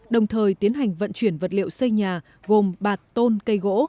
đồng thời tiến hành vận chuyển vật liệu xây nhà gồm bạt tôn cây gỗ